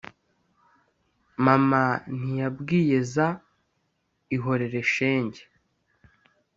Mama ntiyambwiye Za “ihorere shenge”